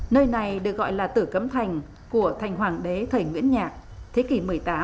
nơi này được gọi là tử cấm thành của thành hoàng đế thầy nguyễn nhạc thế kỷ một mươi tám